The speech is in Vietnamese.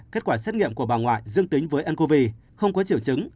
kết quả xét nghiệm của bà ngoại dương tính với ncov không có triệu chứng